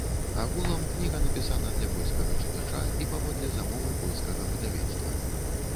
Агулам, кніга напісана для польскага чытача і паводле замовы польскага выдавецтва.